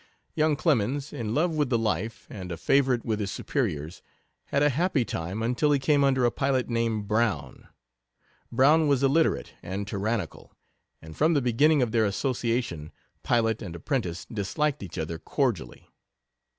Young Clemens, in love with the life, and a favorite with his superiors, had a happy time until he came under a pilot named Brown. Brown was illiterate and tyrannical, and from the beginning of their association pilot and apprentice disliked each other cordially.